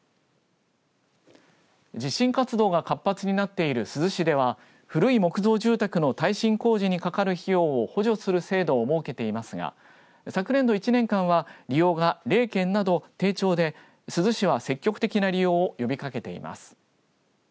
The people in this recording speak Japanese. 地震活動が活発になっている珠洲市では古い木造住宅の耐震工事にかかる費用を補助する制度を設けていますが昨年の１年間は利用が０件など、低調で珠洲市は積極的な利用を呼びかけています。